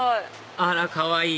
あらかわいい！